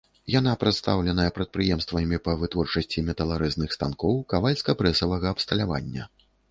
Яна прадстаўленая прадпрыемствамі па вытворчасці металарэзных станкоў, кавальска-прэсавага абсталявання.